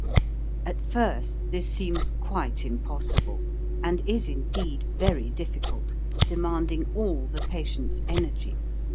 At first this seems quite impossible, and is indeed very difficult, demanding all the pa tient's energy.